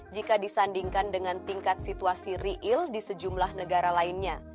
jika disandingkan dengan tingkat situasi real di sejumlah negara lainnya